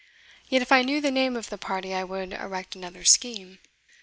Yet if I knew the name of the party I would erect another scheme."